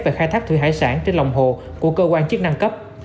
về khai thác thủy hải sản trên lòng hồ của cơ quan chức năng cấp